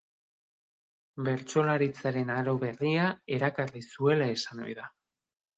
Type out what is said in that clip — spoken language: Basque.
Bertsolaritzaren aro berria erakarri zuela esan ohi da.